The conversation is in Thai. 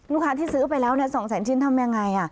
ลูกค้าที่ซื้อไปแล้วน่ะสองแสนชิ้นทำยังไงอ่ะ